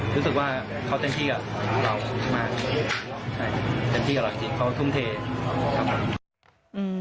รู้สึกว่าเขาเต้นที่กับเรามากเต้นที่กับเราจริงเขาทุ่มเท